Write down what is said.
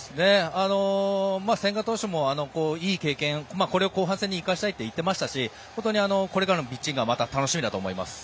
千賀投手もいい経験これを後半戦に生かしたいと言っていましたし本当にこれからのピッチングが楽しみだと思います。